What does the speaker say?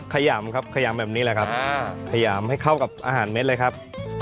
ขยำครับขยำแบบนี้แหละครับขยำให้เข้ากับอาหารเม็ดเลยครับ